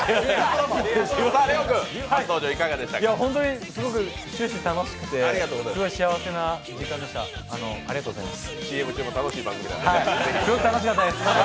本当にすごく終始楽しくて幸せな時間でした、ありがとうございます。